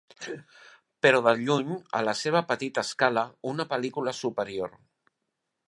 Però de lluny, a la seva petita escala, una pel·lícula superior.